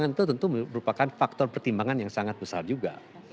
jadi opsi kemenangan itu tentu merupakan faktor pertimbangan yang sangat besar juga